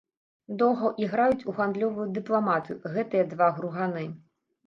Доўга іграюць у гандлёвую дыпламатыю гэтыя два груганы.